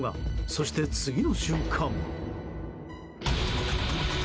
そして、次の瞬間。